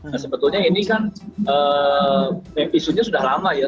nah sebetulnya ini kan isunya sudah lama ya